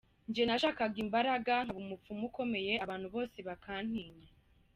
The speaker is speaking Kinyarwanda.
Njye nashakaga imbaraga nkaba umupfumu ukomeye abantu bose bakantinya.